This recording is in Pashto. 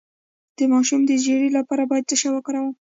د ماشوم د ژیړي لپاره باید څه شی وکاروم؟